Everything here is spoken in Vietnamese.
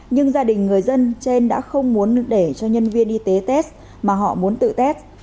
nhưng gia đình người dân trên đã không muốn để cho nhân viên y tế test mà họ muốn tự tét